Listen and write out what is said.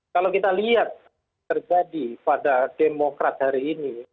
kalau kita lihat terjadi pada demokrat hari ini